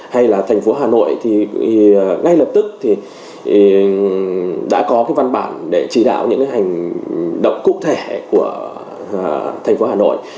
hay là thành phố hà nội thì ngay lập tức thì đã có cái văn bản để chỉ đạo những hành động cụ thể của thành phố hà nội